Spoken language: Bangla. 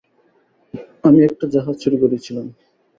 আমি একটা জাহাজ চুরি করেছিলাম।